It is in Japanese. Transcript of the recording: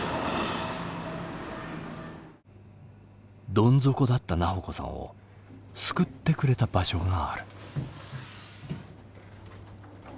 どん底だった菜穂子さんを救ってくれた場所がある。